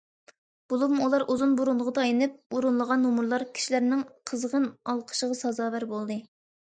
بولۇپمۇ، ئۇلار ئۇزۇن بۇرۇنغا تايىنىپ ئورۇنلىغان نومۇرلار كىشىلەرنىڭ قىزغىن ئالقىشىغا سازاۋەر بولدى.